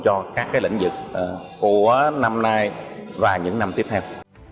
cho các lĩnh vực của năm nay và những năm tiếp theo